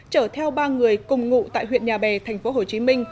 chở theo ba người cùng ngụ tại huyện nhà bè tp hcm